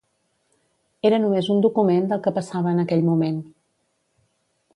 Era només un document del que passava en aquell moment.